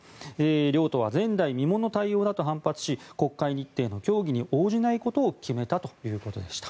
両党は前代未聞の対応だと反発し、国会日程の協議に応じないことを決めたということでした。